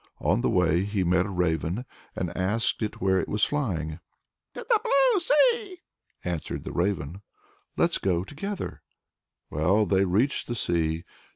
On the way, he met a raven, and asked it where it was flying. "To the blue sea," answered the raven. "Let's go together!" Well, they reached the sea.